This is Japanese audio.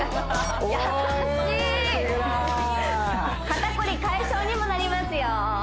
肩凝り解消にもなりますよ